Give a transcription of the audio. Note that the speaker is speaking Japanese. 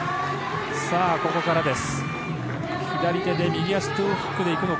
ここからです。